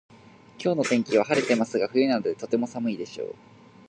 今日の天気は晴れてますが冬なのでとても寒いでしょう